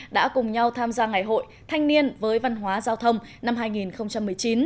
đã cùng nhau tham gia ngày hội thanh niên với văn hóa giao thông năm hai nghìn một mươi chín